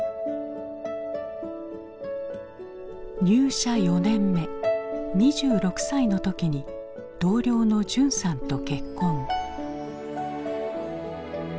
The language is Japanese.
入社４年目２６歳の時に同僚の淳さんと結婚。